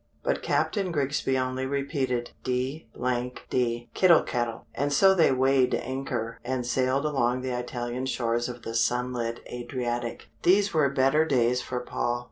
But Captain Grigsby only repeated: "D d kittle cattle!" And so they weighed anchor, and sailed along the Italian shores of the sun lit Adriatic. These were better days for Paul.